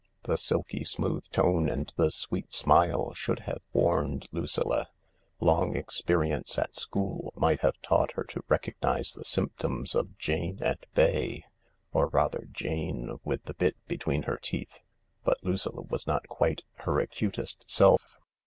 The silky smooth tone and the sweet smile should have warned Lucilla ; long experience at school might have taught her to recognise the symptoms of Jane at bay — or, rather, Jane with the bit between her teeth. But Lucilla was not quite her acutest self.